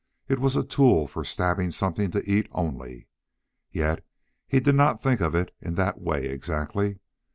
It was a tool for stabbing something to eat only. Yet he did not think of it in that way exactly.